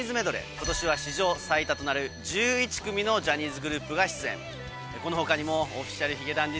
今年は史上最多となる１１組のジャニーズグループが出演。